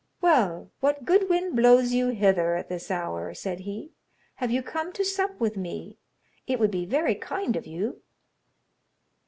"Well, what good wind blows you hither at this hour?" said he; "have you come to sup with me? It would be very kind of you."